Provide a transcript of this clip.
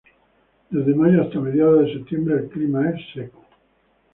Desde Mayo hasta mediados de Septiembre el clima es seco.